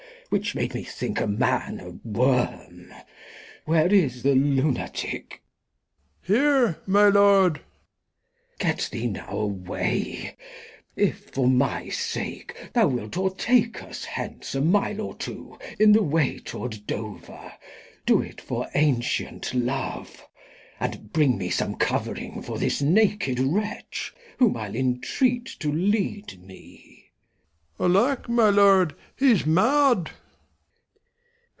Which made me think a Man a Worm, Where is the Lunatick ? Old M. Here, my Lord. , Glost. Get thee now away, if for my Sake Thou wilt o're take us hence a Mile, or two, I' th' Way tow'rd Dover, do't for ancient Love, And bring some Cov'ring for this naked Wretch, Whom I'll intreat to lead me. Old M. Alack, my Lord, he's Mad.